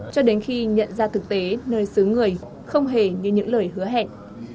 cho đến khi nhận ra thực tế nơi xứ người không hề như những lời hứa hẹn